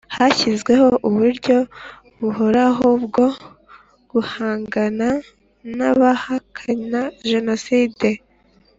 hashyizweho uburyo buhoraho bwo guhangana n abahakana Jenoside